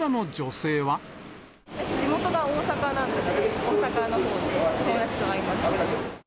地元が大阪なので、大阪のほうで友達と会います。